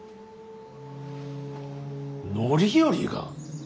範頼が！？